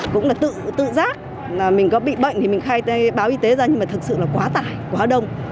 cũng là tự giác mình có bị bệnh thì mình khai báo y tế ra nhưng mà thật sự là quá tải quá đông